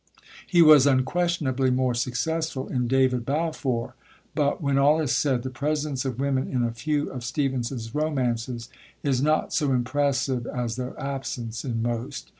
He was unquestionably more successful in David Balfour, but, when all is said, the presence of women in a few of Stevenson's romances is not so impressive as their absence in most.